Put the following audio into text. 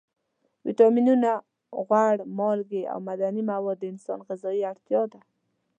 ویټامینونه، غوړ، مالګې او معدني مواد د انسان غذایي اړتیا ده.